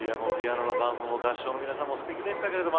ピアノの伴奏も合唱の皆さんもすてきでした。